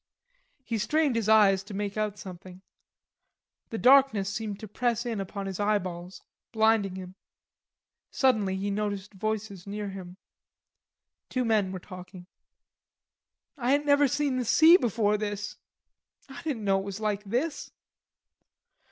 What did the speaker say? He strained his eyes to make out something. The darkness seemed to press in upon his eyeballs, blinding him. Suddenly he noticed voices near him. Two men were talking. "I ain't never seen the sea before this, I didn't know it was like this."